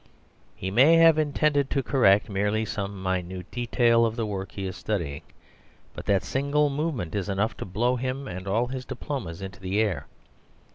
He may have intended to correct merely some minute detail of the work he is studying, but that single movement is enough to blow him and all his diplomas into the air.